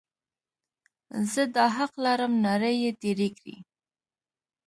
زه دا حق لرم، ناړې یې تېرې کړې.